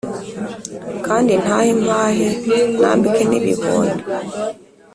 kandi ntahe mpahe nambike n’ibibondo